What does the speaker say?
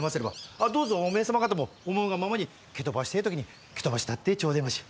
あっどうぞおめえ様方も思うがままに蹴飛ばしてえ時に蹴飛ばしたってちょでまし！